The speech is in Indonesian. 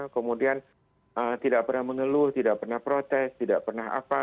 kemudian tidak pernah mengeluh tidak pernah protes tidak pernah apa